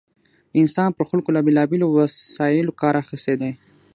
انسان پر خلکو له بېلا بېلو وسایلو کار اخیستی دی.